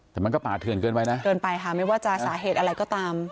แต่มันก็ป่าเถื่อนเกินไปนะเกินไปค่ะไม่ว่าจะสาเหตุอะไรก็ตาม